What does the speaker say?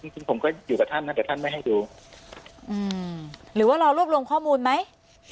จริงผมก็อยู่กับท่านนะแต่ท่านไม่ให้ดูหรือว่ารอรวบรวมข้อมูลไหม